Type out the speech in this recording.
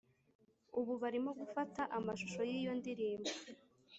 ubu barimo gufata amashusho y’iyo ndirimbo